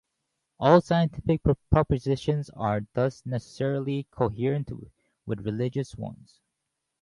All scientific propositions are thus necessarily coherent with religious ones.